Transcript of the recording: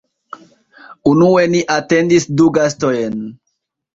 Unue ni atendis du gastojn